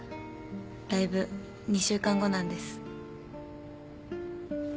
ライブ２週間後なんです。